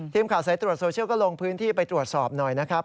สายตรวจโซเชียลก็ลงพื้นที่ไปตรวจสอบหน่อยนะครับ